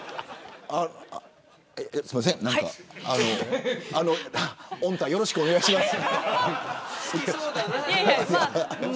すみません御大、よろしくお願いします。